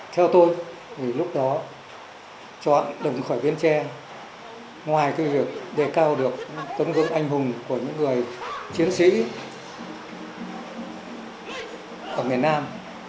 theo tôi lúc đó chọn đồng khởi biên tre ngoài việc đề cao được tấn công anh hùng của những người chiến sĩ ở miền nam